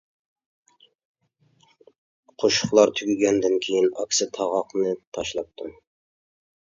قوشۇقلار تۈگىگەندىن كېيىن ئاكىسى تاغاقنى تاشلاپتۇ.